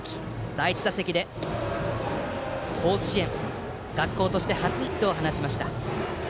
第１打席、学校として甲子園初ヒットを放ちました。